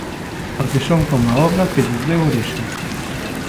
Porque son coma a obra que lles deu orixe.